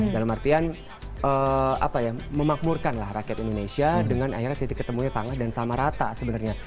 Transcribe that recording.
dalam artian apa ya memakmurkan lah rakyat indonesia dengan akhirnya titik ketemunya panggah dan sama rata sebenarnya